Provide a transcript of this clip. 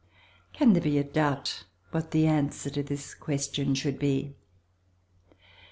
Can there be a doubt what the answer to this question should be?